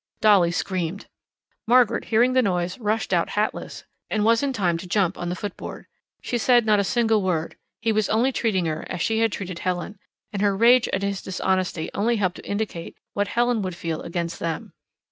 Dolly screamed. Margaret, hearing the noise, rushed out hatless, and was in time to jump on the footboard. She said not a single word: he was only treating her as she had treated Helen, and her rage at his dishonesty only helped to indicate what Helen would feel against them.